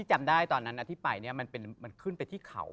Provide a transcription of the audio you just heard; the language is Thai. จำได้ตอนนั้นที่ไปเนี่ยมันขึ้นไปที่เขา